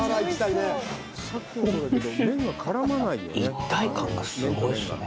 一体感がすごいっすね。